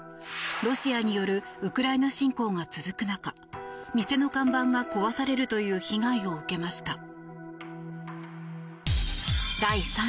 ロシアによるウクライナ侵攻が続く中店の看板が壊されるという被害を受けました。